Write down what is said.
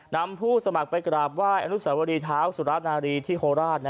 นำผู้สมัครไปกราบไหว้อนุสวรีเท้าสุรนารีที่โคราช